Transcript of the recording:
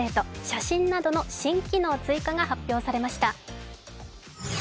写真などの新機能追加が発表されました。